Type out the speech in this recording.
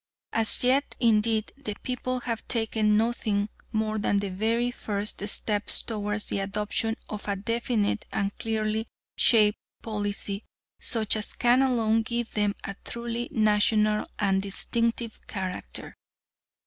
As yet, indeed, the people have taken nothing more than the very first steps towards the adoption of a definite and clearly shaped policy such as can alone give them a truly national and distinctive character.